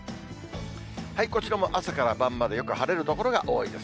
こちらも朝から晩までよく晴れる所が多いです。